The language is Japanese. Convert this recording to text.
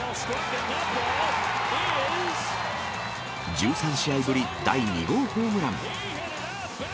１３試合ぶり、第２号ホームラン。